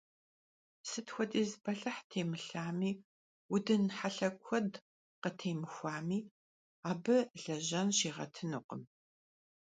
Sıt xuediz belıh têmılhami, vudın helhe kued khıtêxuami, abı lejen şiğetınukhım.